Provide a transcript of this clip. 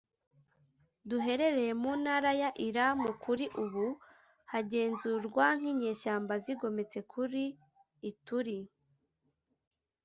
duherereye mu ntara ya Irumu kuri ubu hagenzurwa n’inyeshyamba zigometse kuri Ituri